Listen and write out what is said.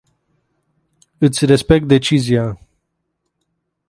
Iti respect decizia.